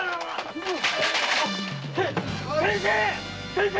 先生！